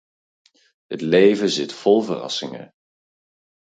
Het leven zit vol verrassingen.